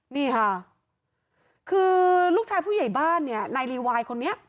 นี่ค่ะคือลูกชายผู้ใหญ่บ้านเนี่ยนายรีวายคนนี้